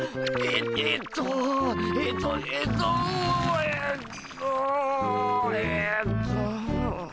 ええっとえっとえっとえっとえっと。